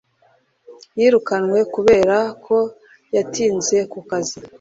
yirukanwe kubera ko yatinze ku kazi